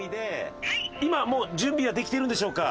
今もう準備はできているんでしょうか？